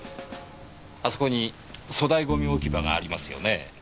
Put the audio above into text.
あそこに粗大ゴミ置き場がありますよね？